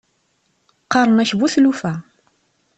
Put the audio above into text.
Qqaṛen-ak bu tlufa.